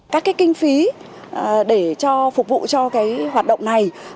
các kinh phí để phục vụ cho hoạt động này